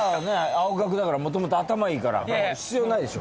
青学だから元々頭いいから必要ないでしょ。